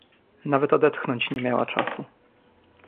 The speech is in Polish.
"Nawet odetchnąć nie miała czasu."